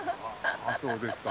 あそうですか。